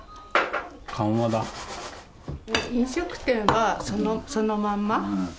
飲食店はそのまんま？